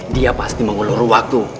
dia pasti mengulur waktu